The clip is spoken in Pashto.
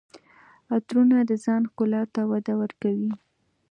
عطرونه د ځان ښکلا ته وده ورکوي.